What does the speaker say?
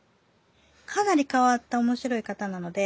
かなり変わった面白い方なので。